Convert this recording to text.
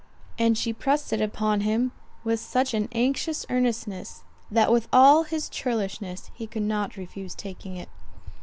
And she pressed it upon him with such an anxious earnestness, that with all his churlishness he could not refuse taking it.